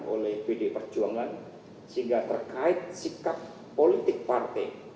oleh pd perjuangan sehingga terkait sikap politik partai